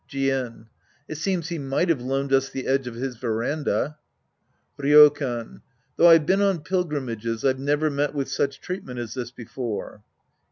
/ien. It seems he might have loaned us the edge of liis veranda. Ryokan. Though I've been on pilgrimages, I've never met with such treatment as this before.